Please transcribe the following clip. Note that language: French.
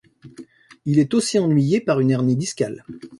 Il est aussi ennuyé par une hernie discale.